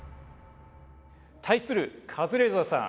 対するカズレーザーさん